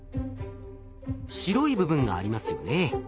白い部分がありますよね。